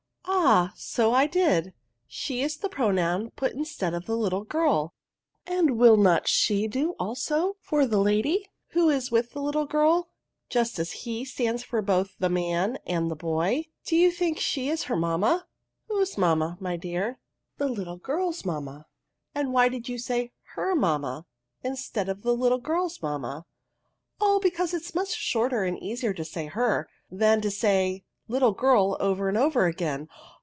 '^ Ah, so I did : she is the pronoun put in stead of the little girl ; and will not she do, also, for the lady, who is with the little girl, just as he stands both for the man and the boy ? Do you think she is her mamma ?"Whose mamma, my dear ?"<* The little girl's mamma," PRONOUNS. " 17 " And why did you say her mammai in stead of the Kttle girl's mamma ?"*' Oh, because it is much shorter and easier to say her, than to say little girl over and over again.